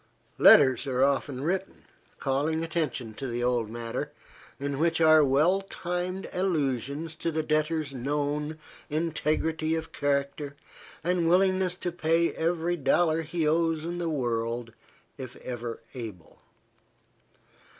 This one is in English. Letters are often written, calling attention to the old matter, in which are well timed allusions to the debtor's known integrity of character, and willingness to pay every dollar he owes in the world, if ever able.